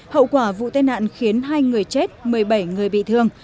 hậu quả vụ tai nạn khiến hai người chết một mươi bảy người bị thương